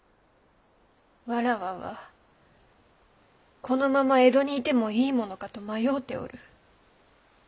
わらわはこのまま江戸にいてもいいものかと迷うておる。